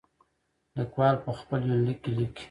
ليکوال په خپل يونليک کې ليکي.